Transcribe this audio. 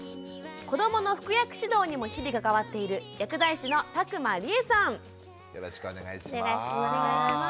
子どもの服薬指導にも日々関わっているよろしくお願いします。